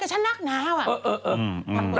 ฝันฉันคนเดียว